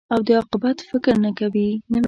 او د عاقبت فکر نه کوې.